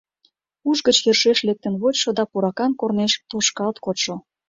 Уш гыч йӧршеш лектын вочшо да пуракан корнеш тошкалт кодшо!..